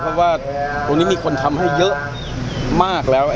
เพราะว่าตรงนี้มีคนทำให้เยอะมากแล้ว